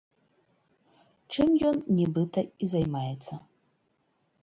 Чым ён, нібыта, і займаецца.